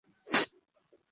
Balaram, হেই।